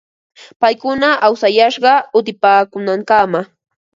Paykuna awsashqa utipaakuunankamam.